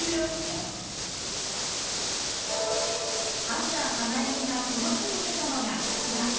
「飯山花笑み」がこの日生けたのがこちら。